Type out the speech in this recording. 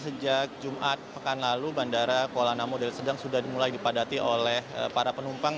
sejak jumat pekan lalu bandara kuala namu deli serdang sudah mulai dipadati oleh para penumpang